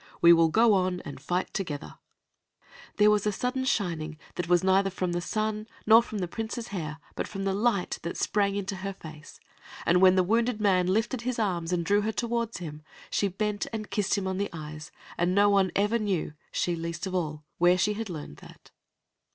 We will go on and fight together." Then there was a sudden shining that was neither from the sun nor the Princess's hair, but from the light that sprang into her face, and when the wounded man lifted his arms and drew her toward him, she bent and kissed him on the eyes, and no one ever knew, she least of all, where she had learned that.